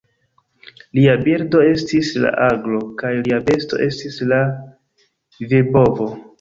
Lia birdo estis la aglo, kaj lia besto estis la virbovo.